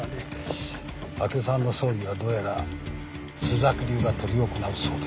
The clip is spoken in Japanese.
明生さんの葬儀はどうやら朱雀流が執り行うそうですよ。